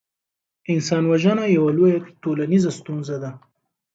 انسان وژنه یوه لویه ټولنیزه ستونزه ده.